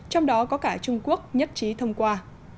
trong đó có cả trung quốc nhất trí thông qua